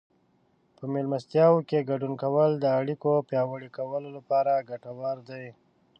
په مېلمستیاوو کې ګډون کول د اړیکو پیاوړي کولو لپاره ګټور دي.